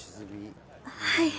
はい。